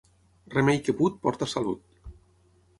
Remei que put porta salut.